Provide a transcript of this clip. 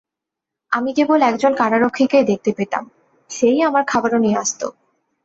আমি কেবল একজন কারারক্ষীকেই দেখতে পেতাম, সে-ই আমার খাবারও নিয়ে আসত।